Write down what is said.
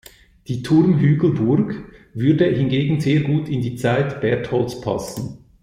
Die Turmhügelburg würde hingegen sehr gut in die Zeit Bertholds passen.